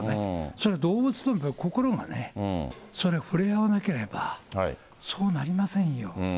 それは動物との心がね、それはふれあわなければ、そうなりませんよ。